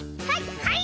はい！